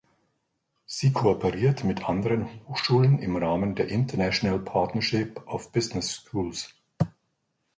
Sie kooperiert mit anderen Hochschulen im Rahmen der International Partnership of Business Schools.